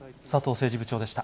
政治部長でした。